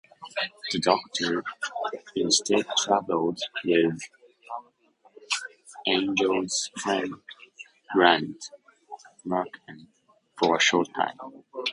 The Doctor instead travelled with Angela's friend Grant Markham for a short time.